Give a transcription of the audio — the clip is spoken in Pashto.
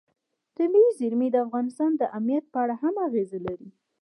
طبیعي زیرمې د افغانستان د امنیت په اړه هم اغېز لري.